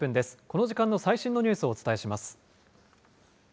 この時間の最新のニュースをお伝えします。